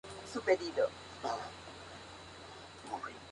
Otras poblaciones gravemente afectadas fueron Chancay, Huacho, Huaura y Supe.